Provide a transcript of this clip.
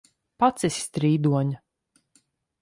Pats esi strīdoņa!